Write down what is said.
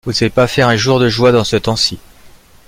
Vous ne savez pas faire un jour de joie dans ce temps-ci.